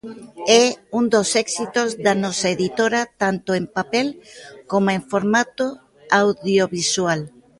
É un dos éxitos da nosa editora tanto en papel coma en formato audiovisual.